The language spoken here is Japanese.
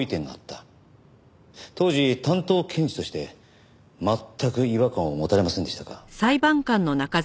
当時担当検事として全く違和感を持たれませんでしたか？